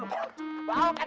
tidak ada yang saya pikirkan